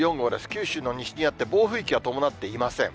九州の西にあって、暴風域は伴っていません。